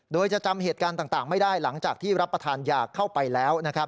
โดยจะจำเหตุการณ์ต่างไม่ได้หลังจากที่รับประทานยาเข้าไปแล้ว